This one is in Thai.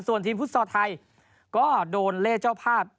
ส่วนทีมฟุตซอลไทยก็โดนเล่เจ้าภาพ